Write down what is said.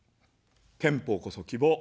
憲法こそ希望。